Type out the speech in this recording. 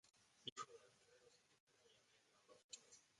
Hijo de Alfredo Cisterna y Amelia Ortiz.